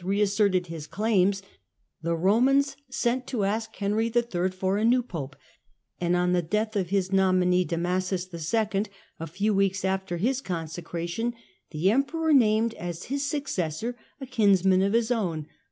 reasserted his claims, the Eomans sent to ask Henry III. for a new Pope, and on the death of his nominee Damasus II., a few weeks after his consecration, the Emperor named as his successor a kinsman of his own, Leo ix.